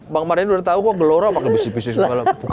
bang mardin udah tau kok gelora apa gak bisa bisik bisik